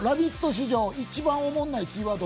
史上一番おもんないキーワード